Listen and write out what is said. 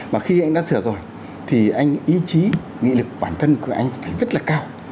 mà khi anh đã sửa rồi thì anh ý chí nghị lực bản thân của anh phải rất là cao